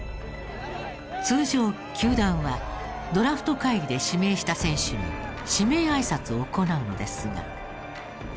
通常球団はドラフト会議で指名した選手に指名挨拶を行うのですが。